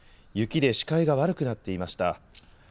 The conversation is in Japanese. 雪で視界が悪くなっていました。